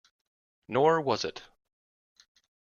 Nor was it.